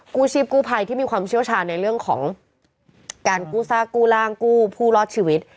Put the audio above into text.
กู้ชีพกู้ภัยที่มีความเชี่ยวชาญในเรื่องของการกู้ซากกู้ร่างกู้ผู้รอดชีวิต